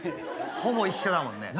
ほぼ一緒だもんね。